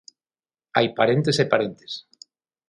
Hai parentes e parentes.